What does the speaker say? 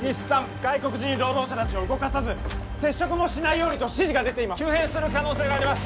外国人労働者達を動かさず接触もしないようにと指示が出ています急変する可能性があります